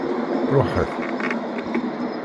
Ṛuḥet!